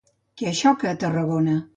Què xoca a Tarragona?